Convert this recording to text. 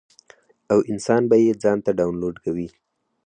او انسان به ئې ځان ته ډاونلوډ کوي -